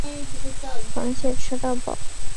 螃蟹吃到饱